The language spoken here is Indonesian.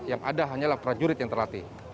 yang ada hanyalah prajurit yang terlatih